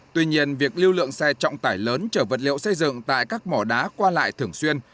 tuy nhiên việc lưu lượng xe trọng tải lớn chở vật liệu xây dựng tại các mỏ đá qua lại thường xuyên